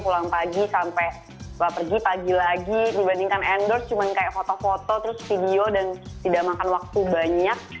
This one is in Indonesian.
pulang pagi sampai pergi pagi lagi dibandingkan endorse cuma kayak foto foto terus video dan tidak makan waktu banyak